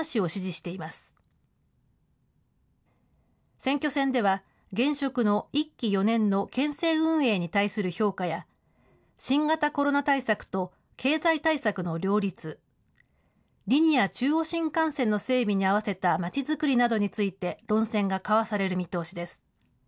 選挙戦では、現職の１期４年の県政運営に対する評価や、新型コロナ対策と経済対策の両立、リニア中央新幹線の整備に合わせたまちづくりなどについて論戦が交わされる見通しです。